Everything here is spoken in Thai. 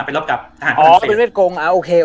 เป็นรบกับทหารพลังเศษอ๋อเป็นเวียดกงโอเค